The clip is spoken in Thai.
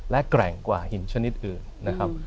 และแกร่งกว่าหินชนิดอื่นนะครับ